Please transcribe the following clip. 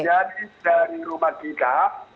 jadi dari rumah kita